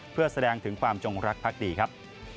เพื่อแสดงถึงความจงรักภักดีครับ